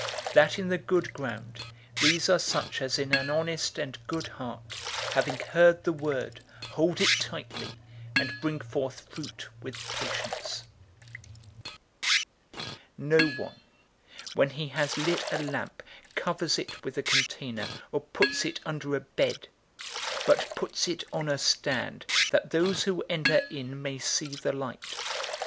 008:015 That in the good ground, these are such as in an honest and good heart, having heard the word, hold it tightly, and bring forth fruit with patience. 008:016 "No one, when he has lit a lamp, covers it with a container, or puts it under a bed; but puts it on a stand, that those who enter in may see the light.